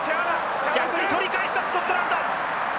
逆に取り返したスコットランド！